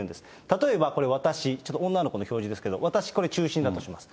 例えばこれ、私、ちょっと女の子の表示ですけど、私、これ中心だとします。